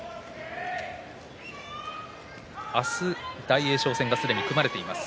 明日は大栄翔戦がすでに組まれています。